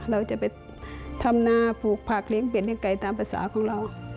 เราจะไปทำหน้าผูกผักเลี้ยงเบ็ดให้ไกลตามภาษาของเรา